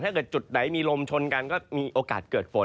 จุดไหนมีลมชนกันก็มีโอกาสเกิดฝน